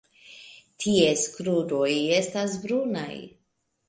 Ties kruroj estas brunaj.